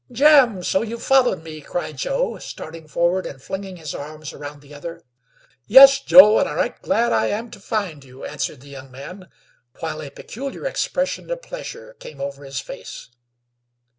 "Jim! So you followed me!" cried Joe, starting forward and flinging his arms around the other. "Yes, Joe, and right glad I am to find you," answered the young man, while a peculiar expression of pleasure came over his face.